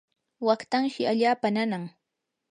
waqtanshi allaapa nanan.